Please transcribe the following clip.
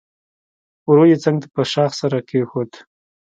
ورو يې څنګ ته په شاخ سر کېښود.